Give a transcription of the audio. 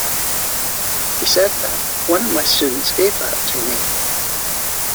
He said that One of my students gave that to me.